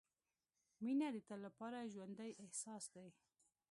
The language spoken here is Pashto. • مینه د تل لپاره ژوندی احساس دی.